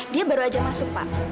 dia baru aja masuk pak